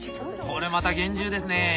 これまた厳重ですね。